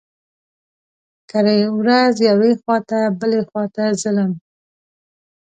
کرۍ ورځ يوې خوا ته بلې خوا ته ځلم.